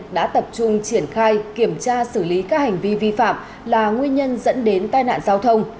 đã tập trung triển khai kiểm tra xử lý các hành vi vi phạm là nguyên nhân dẫn đến tai nạn giao thông